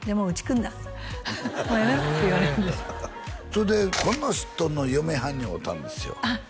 それでこの人の嫁はんに会うたんですよあっ